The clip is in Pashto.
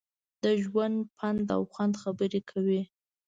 د ژوند، پند او خوند خبرې کوي.